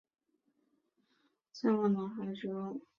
在我脑海之中